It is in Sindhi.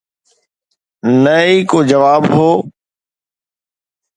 نه ئي ڪو جواب هو.